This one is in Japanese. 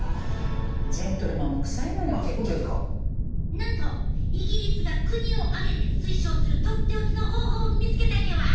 なんとイギリスが国を挙げて推奨する取って置きの方法を見つけたんやわ！